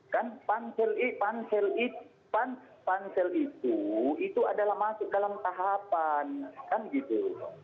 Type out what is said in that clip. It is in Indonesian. kan pansel itu itu adalah masuk dalam tahapan kan gitu